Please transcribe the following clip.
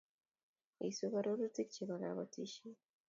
Isub arorutik Chebo kapotisiet